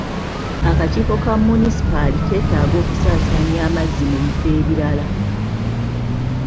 Akakiiko ka munisipaali keetaaga okusaasaanya amazzi mu bifo ebirala.